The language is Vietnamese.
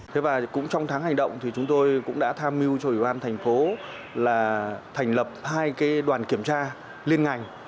thế và cũng trong tháng hành động thì chúng tôi cũng đã tham mưu cho ủy ban thành phố là thành lập hai cái đoàn kiểm tra liên ngành